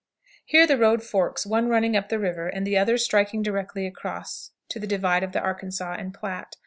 Here the road forks, one running up the river, and the other striking directly across to the divide of the Arkansas and Platte.